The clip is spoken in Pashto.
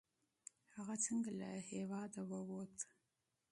هغه څنګه له هیواده ووت؟